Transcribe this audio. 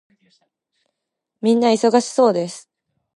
皆忙しそうです。